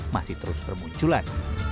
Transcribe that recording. masih terus bermunculan